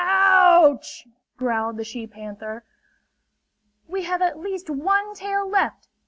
"Oooouch!" growled the she panther. "We have at least one tail left!"